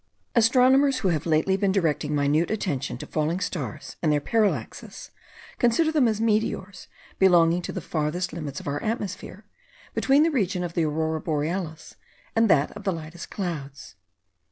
Astronomers who have lately been directing minute attention to falling stars and their parallaxes, consider them as meteors belonging to the farthest limits of our atmosphere, between the region of the Aurora Borealis and that of the lightest clouds.